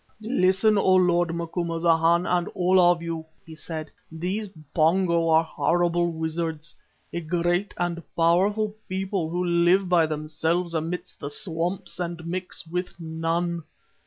"Listen, O lord Macumazana, and all of you," he said. "These Pongo are horrible wizards, a great and powerful people who live by themselves amidst the swamps and mix with none.